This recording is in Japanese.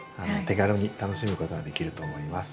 手軽に楽しむことができると思います。